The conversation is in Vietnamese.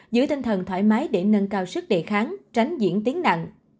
giữ tinh thần thoải mái để nâng cao sức đề kháng tránh diễn tiếng nặng